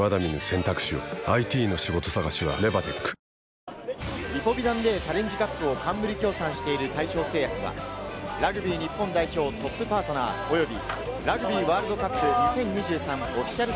ニトリリポビタンＤチャレンジカップを冠協賛している大正製薬はラグビー日本代表トップパートナー、およびラグビーワールドカップ２０２３オフィシャル